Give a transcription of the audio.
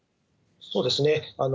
そうですね。